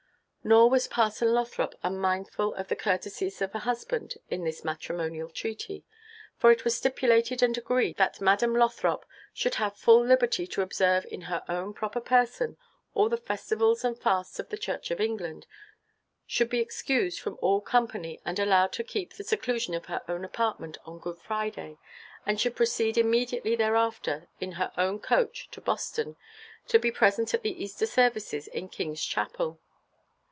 Nor was Parson Lothrop unmindful of the courtesies of a husband in this matrimonial treaty, for it was stipulated and agreed that Madam Lothrop should have full liberty to observe in her own proper person all the festivals and fasts of the Church of England, should be excused from all company and allowed to keep the seclusion of her own apartment on Good Friday, and should proceed immediately thereafter in her own coach to Boston, to be present at the Easter services in King's Chapel.